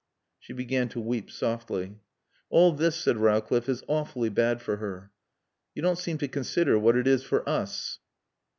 She began to weep softly. "All this," said Rowcliffe, "is awfully bad for her." "You don't seem to consider what it is for us."